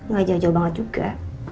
gak jauh jauh banget juga